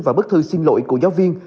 và bức thư xin lỗi của giáo viên